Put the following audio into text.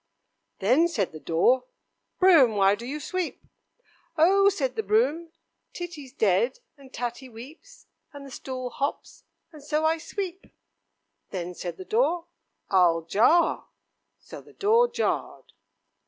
"Then," said the door, "Broom, why do you sweep?" "Oh!" said the broom, "Titty's dead, and Tatty weeps, and the stool hops, and so I sweep." "Then," said the door, "I'll jar." So the door jarred.